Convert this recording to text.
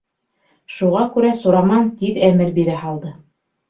Шуға күрә Сураман тиҙ әмер бирә һалды: